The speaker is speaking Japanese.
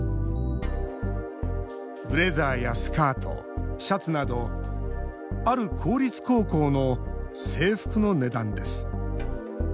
ブレザーやスカート、シャツなどある公立高校の制服の値段です。